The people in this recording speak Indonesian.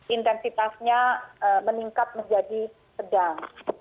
intensitasnya meningkat menjadi sedang